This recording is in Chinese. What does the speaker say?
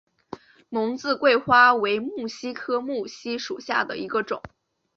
蒙自桂花为木犀科木犀属下的一个种。